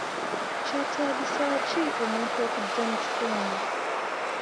Kyetaagisa ki omuntu okugya mu kitundu?